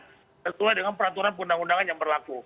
tertulah dengan peraturan pendahun undangan yang berlaku